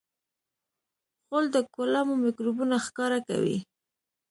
غول د کولمو میکروبونه ښکاره کوي.